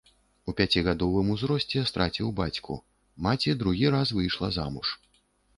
У пяцігадовым узросце страціў бацьку, маці другі раз выйшла замуж.